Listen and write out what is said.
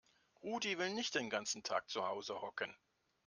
Rudi will nicht den ganzen Tag zu Hause hocken.